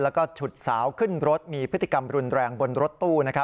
แล้วก็ฉุดสาวขึ้นรถมีพฤติกรรมรุนแรงบนรถตู้